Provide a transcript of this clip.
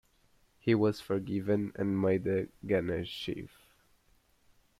He was forgiven and made a gana-chief.